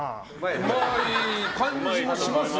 うまい感じもしますよ。